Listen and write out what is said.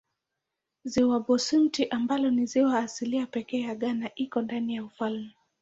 Ziwa Bosumtwi ambalo ni ziwa asilia pekee ya Ghana liko ndani ya ufalme.